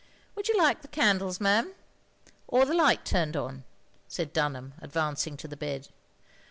"Would you like the candles ma'am, or the light turned on?" said Dunham, advancing to the bed.